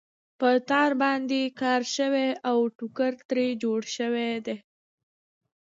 په تار باندې کار شوی او ټوکر ترې جوړ شوی دی.